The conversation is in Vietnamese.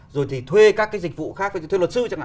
rồi thì thuê các dịch vụ khác thuê luật sư chẳng hạn